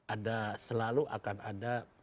ada selalu akan ada